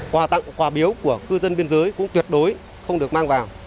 quà tặng quà biếu của cư dân biên giới cũng tuyệt đối không được mang vào